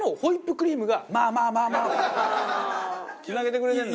つなげてくれてるんだ。